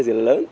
gì là lớn